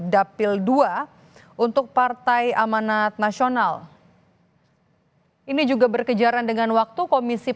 dan juga bawaslu pusat